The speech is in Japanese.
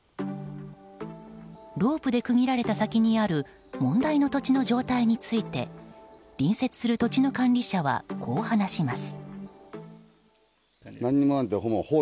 ロープで区切られた先にある問題の土地の状態について隣接する土地の管理者はこう話します。